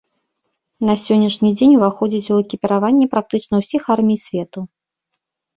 На сённяшні дзень уваходзяць у экіпіраванне практычна ўсіх армій свету.